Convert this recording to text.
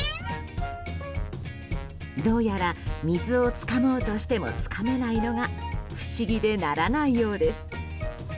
どうやら水をつかもうとしてもつかめないのが不思議でならないようです。